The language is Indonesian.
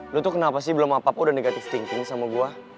lo tuh kenapa sih belum apa apa udah negative thinking sama gue